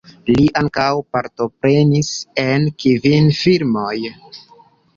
Li ankaŭ partoprenis en kvin filmoj.